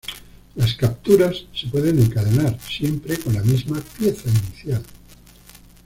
Las capturas se pueden encadenar, siempre con la misma pieza inicial.